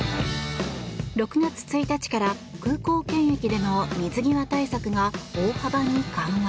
６月１日から空港検疫での水際対策が大幅に緩和。